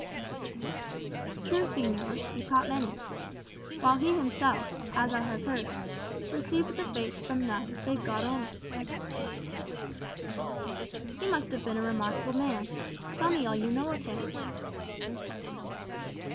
"True, señor, he taught many. While he himself, as I have heard, received the faith from none save God only." "He must have been a remarkable man. Tell me all you know of him."